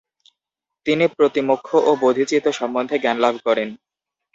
তিনি প্রতিমোক্ষ ও বোধিচিত্ত সম্বন্ধে জ্ঞানলাভ করেন।